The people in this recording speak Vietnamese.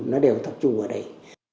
nó đều tập trung ở đây